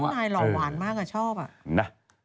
เจ้านายหล่อหวานมากอะชอบอะ